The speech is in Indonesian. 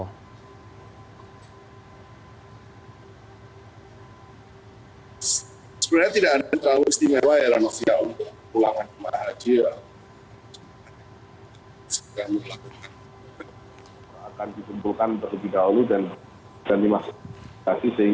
sebenarnya tidak ada yang terlalu istimewa ya ranovia untuk kepulangan jemaah haji